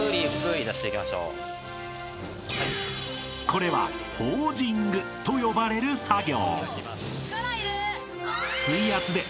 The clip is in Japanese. ［これはホージングと呼ばれる作業］